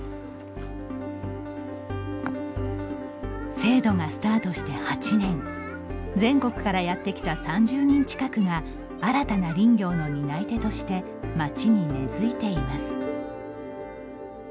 制度がスタートして８年全国からやってきた３０人近くが新たな林業の担い手として町に根づいています。